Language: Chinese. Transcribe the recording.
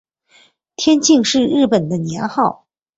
天庆是日本的年号。